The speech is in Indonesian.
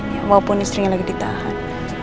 walaupun istrinya lagi ditahan